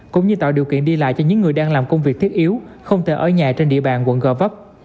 cũng như tạo điều kiện đi lại cho những người đang làm công việc thiết yếu không thể ở nhà trên địa bàn quận gò vấp